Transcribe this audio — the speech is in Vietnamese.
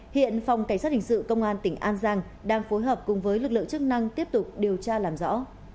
hiện phòng cảnh sát hình sự công an tỉnh an giang đang phối hợp cùng với lực lượng chức năng tiếp tục điều tra làm rõ